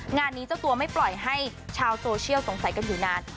งานนี้เจ้าตัวไม่ปล่อยให้ชาวโซเชียลสงสัยกันอยู่นาน